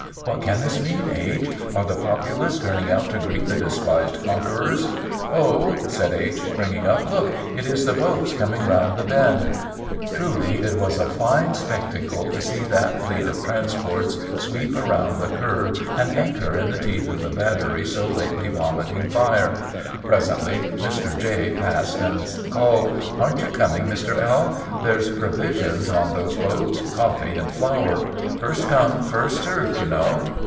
"What can this mean, H.? Are the populace turning out to greet the despised conquerors?" "Oh," said H., springing up, "look! It is the boats coming around the bend." Truly it was a fine spectacle to see that fleet of transports sweep around the curve and anchor in the teeth of the battery so lately vomiting fire. Presently Mr. J. passed and called: "Aren't you coming, Mr. L.? There's provisions on those boats: coffee and flour. 'First come, first served,' you know."